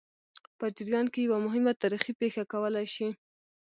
په جریان کې یوه مهمه تاریخي پېښه کولای شي.